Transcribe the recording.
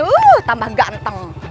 uuu tambah ganteng